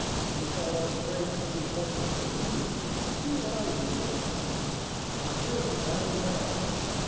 Two thousand francs to do something to you! Who are you, then?" "I'll tell you by and by."